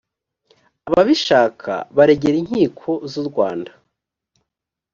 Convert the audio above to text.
ababishaka baregera inkiko z u rwanda